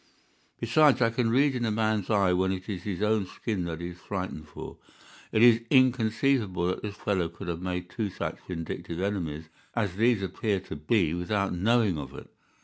Besides, I can read in a man's eye when it is his own skin that he is frightened for. It is inconceivable that this fellow could have made two such vindictive enemies as these appear to be without knowing of it.